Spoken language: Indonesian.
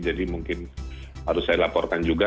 jadi mungkin harus saya laporkan juga